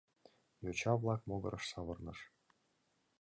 Йоча-влак могырыш савырныш.